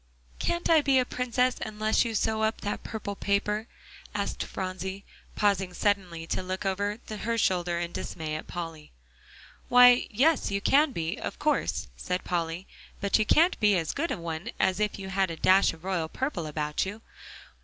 "Can't I be a Princess unless you sew up that purple paper?" asked Phronsie, pausing suddenly to look over her shoulder in dismay at Polly. "Why, yes, you can be, of course," said Polly, "but you can't be as good a one as if you had a dash of royal purple about you.